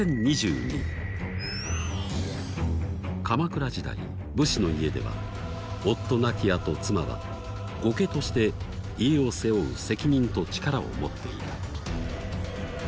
鎌倉時代武士の家では夫亡きあと妻は「後家」として家を背負う責任と力を持っていた。